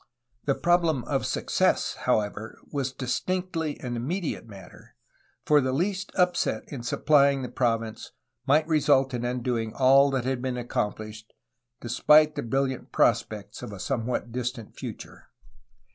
The problem of success, however, was distinctly an immediate matter, for the least upset in supplying the province might result in undoing all that had been accomplished, despite the brilUant prospects of a somewhat distant future.